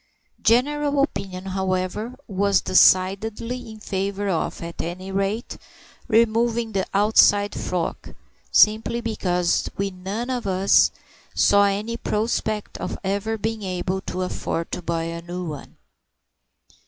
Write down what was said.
General opinion, however, was decidedly in favour of, at any rate, removing the outside frock, simply because we none of us saw any prospect of ever being able to afford to buy a new one.